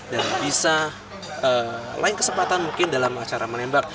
dan bisa lain kesempatan mungkin dalam cara menembak